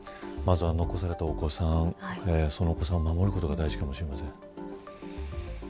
残されたお子さんそのお子さんを守ることが大事かもしれません。